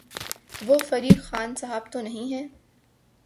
وہ فریق خان صاحب تو نہیں ہیں۔